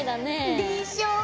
でしょ！